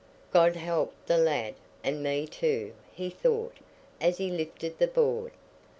"God help the lad, and me too," he thought, as he lifted the board.